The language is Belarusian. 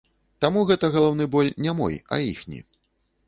Таму гэта галаўны боль не мой, а іхні.